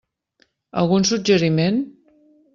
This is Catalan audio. Algun suggeriment?